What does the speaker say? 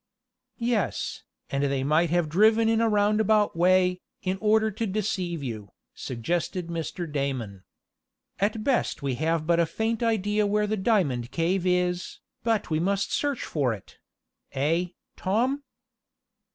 "Yes, and they might have driven in a round about way, in order to deceive you," suggested Mr. Damon. "At best we have but a faint idea where the diamond cave is, but we must search for it; eh, Tom?"